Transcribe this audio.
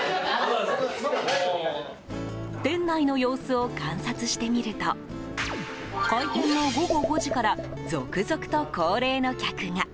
店内の様子を観察してみると開店の午後５時から続々と高齢の客が。